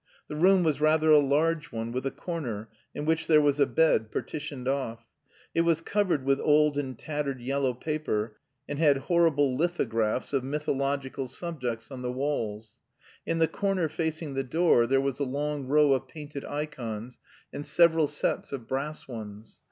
The room was rather a large one, with a corner, in which there was a bed, partitioned off. It was covered with old and tattered yellow paper, and had horrible lithographs of mythological subjects on the walls; in the corner facing the door there was a long row of painted ikons and several sets of brass ones.